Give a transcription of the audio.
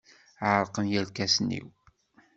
Ɛerqen yirkasen-iw.